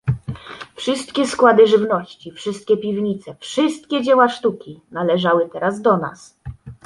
"Wszystkie składy żywności, wszystkie piwnice, wszystkie dzieła sztuki należały teraz do nas."